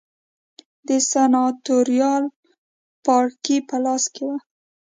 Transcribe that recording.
د سناتوریال پاړکي په لاس کې و